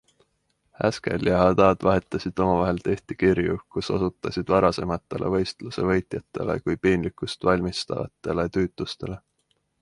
Haskell ja Haddad vahetasid omavahel tihti kirju, kus osutasid varasematele võistluse võitjatele kui piinlikkust valmistavatele tüütutustele.